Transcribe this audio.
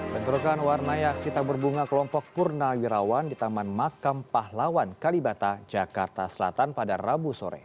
bentrokan warna aksi tabur bunga kelompok purnawirawan di taman makam pahlawan kalibata jakarta selatan pada rabu sore